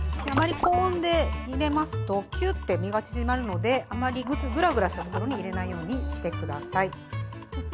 あまり高温で入れますときゅって身が縮まるのであまりぐらぐらしたところに入れないようにしてください。